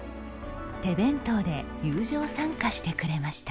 手弁当で友情参加してくれました。